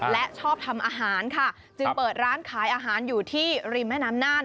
และชอบทำอาหารค่ะจึงเปิดร้านขายอาหารอยู่ที่ริมแม่น้ำน่าน